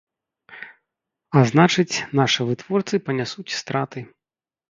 А значыць, нашы вытворцы панясуць страты.